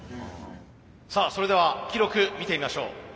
さあそれでは記録見てみましょう。